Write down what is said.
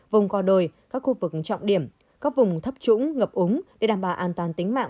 vùng gò đồi các khu vực trọng điểm các vùng thấp trũng ngập úng để đảm bảo an toàn tính mạng